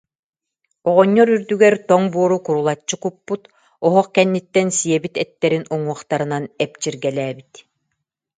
Оҕонньор үрдүгэр тоҥ буору курулаччы куппут, оһох кэнниттэн сиэбит эттэрин уҥуохтарынан эпчиргэлээбит